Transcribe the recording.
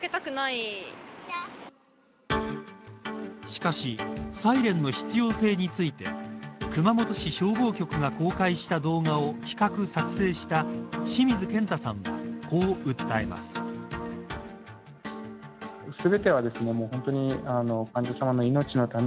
しかしサイレンの必要性について熊本市消防局が公開した動画を企画、作成した清水健太さんは、こう訴えます。